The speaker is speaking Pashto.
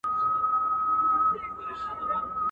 چي وطن یې کړ خالي له غلیمانو،